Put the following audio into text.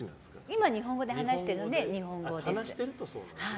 今、日本語で話してるので日本語です。